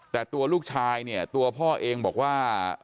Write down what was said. แต่ตัวลูกชายเนี่ยตัวพ่อเองบอกว่า